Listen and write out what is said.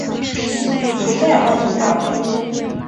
属费尔莫总教区。